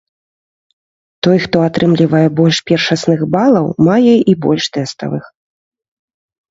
Той, хто атрымлівае больш першасных балаў, мае і больш тэставых.